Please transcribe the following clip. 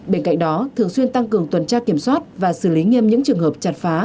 bên cạnh đó thường xuyên tăng cường tuần tra kiểm soát và xử lý nghiêm những trường hợp chặt phá